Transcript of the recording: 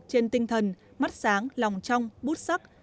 trên tinh thần mắt sáng lòng trong bút sắc